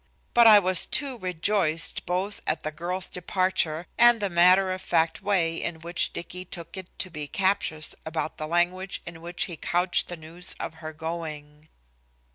But I was too rejoiced both at the girl's departure and the matter of fact way in which Dicky took it to be captious about the language in which he couched the news of her going.